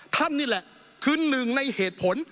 ท่านนี่แหละคือหนึ่งในเหตุผล